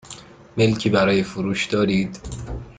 ملکی برای فروش دارید؟